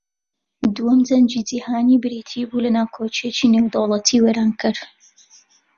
دووەم جەنگی جیھانی بریتی بوو لە ناکۆکییەکی نێودەوڵەتی وێرانکەر